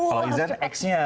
kalau izan x nya